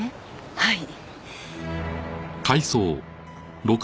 はい。